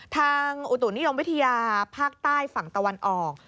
อุตุนิยมวิทยาภาคใต้ฝั่งตะวันออก